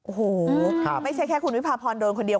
โอ้โหไม่ใช่แค่คุณวิพาพรโดนคนเดียว